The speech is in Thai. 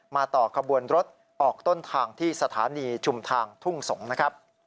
มาต่อขบวนรถออกต้นทางที่สถานีชุมทางทุ่งสงค์